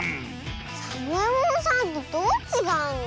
サボえもんさんとどうちがうの？